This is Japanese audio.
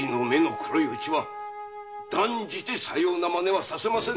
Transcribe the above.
断じてさような真似はさせませぬ。